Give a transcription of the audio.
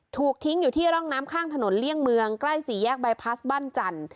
ถูกทิ้งอยู่ที่ร่องน้ำข้างถนนเลี่ยงเมืองใกล้สี่แยกบายพลาสบ้านจันทร์